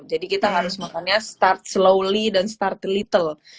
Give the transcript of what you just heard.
jadi kita harus makannya start slowly dan start little